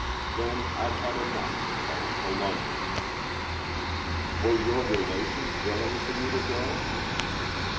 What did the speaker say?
Then I'd had enough and I went to London." "Were your relations willing for you to go?"